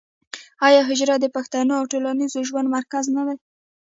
آیا حجره د پښتنو د ټولنیز ژوند مرکز نه دی؟